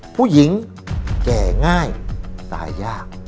ผู้หญิงแก่ง่ายตายยาก